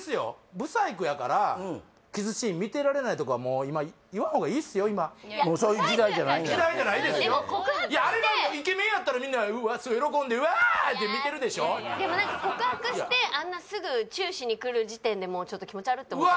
ブサイクやからキスシーン見てられないとかもうそういう時代じゃない時代じゃないですよでも告白してあれがイケメンやったらみんなうわっ喜んでうわーいうて見てるでしょでも何か告白してあんなすぐチューしにくる時点でもうちょっと気持ち悪って思ってます